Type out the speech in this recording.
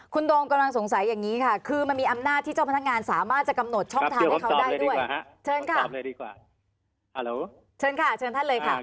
คุณโดรมกำลังสงสัยแบบนี้คือมันมีอำนาจที่เจ้าพนักงานสามารถกำหนดช่องทางให้เขาได้ด้วย